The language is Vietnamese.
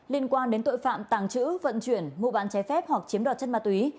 liên quan đến tội phạm tàng trữ vận chuyển mụ bản chế phép hoặc chiếm đoạt chất ma túy